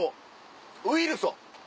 ウイルソン。